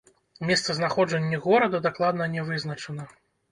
Месцазнаходжанне горада дакладна не вызначана.